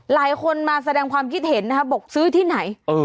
หลายคนมาแสดงความคิดเห็นนะครับบอกซื้อที่ไหน